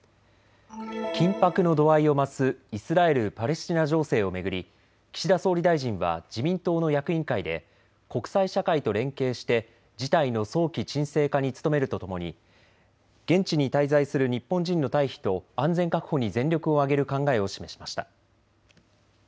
緊迫の度合いを増すイスラエル・パレスチナ情勢を巡り岸田総理大臣は自民党の役員会で国際社会と連携して事態の早期沈静化に努めるとともに現地に滞在する日本人の退避と安全確保に全力を挙げる考えを示しました。